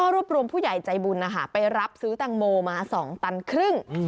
รวบรวมผู้ใหญ่ใจบุญนะคะไปรับซื้อแตงโมมา๒ตันครึ่ง